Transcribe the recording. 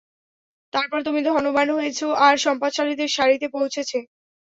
তারপর তুমি ধনবান হয়েছে আর সম্পদশালীদের সারিতে পৌঁছেছে।